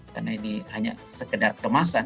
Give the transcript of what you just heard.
karena ini hanya sekedar kemasan